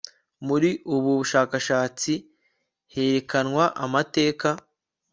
muri ubu bushakashatsi herekanwa amateka